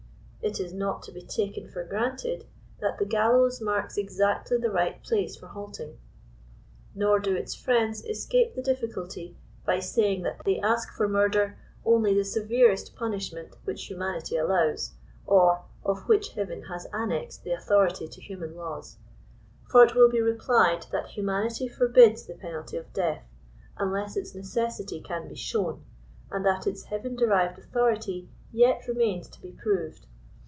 It is not to be taken for granted that the gallows marks exactly the right place for halt ing. Nor do its friends escape the difficulty by saying that they ask for murder only the severest punishment which humanity allows, or <* of which heaven has annexed the authority to hu" man laws ;" for it will be replied that humanity forbids the penalty of death upless its necessity can be shown, and that its heaven derived authority yet remains to be proved.